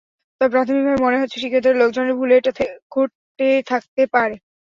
তবে প্রাথমিকভাবে মনে হচ্ছে ঠিকাদারের লোকজনের ভুলে এটা ঘটে থাকতে পারে।